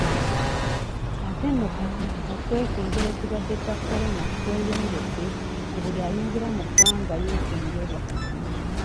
Ate nno kati okwekengera ekirwadde kya Corona kweyongedde ku buli ayingira mu ggwanga yeekengerwa.